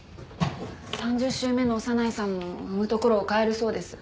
３０週目の小山内さんも産む所を変えるそうです。